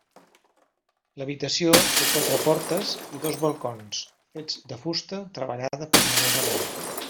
L'habitació té quatre portes i dos balcons, fets de fusta treballada primorosament.